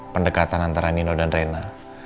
pendekatan antara nino dan reina